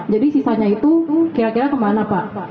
jadi sisanya itu kira kira kemana pak